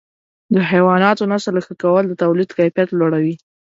د حیواناتو نسل ښه کول د تولید کیفیت لوړوي.